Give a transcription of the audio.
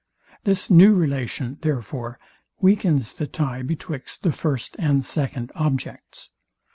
This new relation, therefore, weakens the tie betwixt the first and second objects.